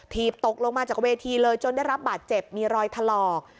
ตกลงมาจากเวทีเลยจนได้รับบาดเจ็บมีรอยถลอก